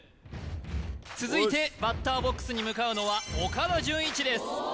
続いてバッターボックスに向かうのは岡田准一です